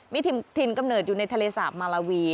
มีถิ่นกำเนิดอยู่ในทะเลสาปมาลาวี